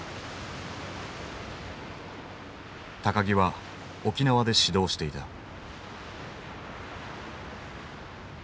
木は沖縄で始動していた。